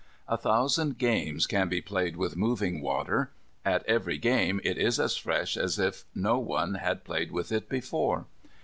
A thousand games can be played with moving water; at every game it is as fresh as if no one had played with it before.